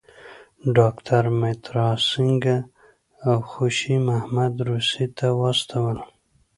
ډاکټر مترا سینګه او خوشي محمد روسیې ته واستول.